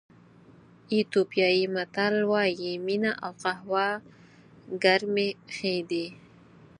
ایتیوپیایي متل وایي مینه او قهوه ګرمې ښې دي.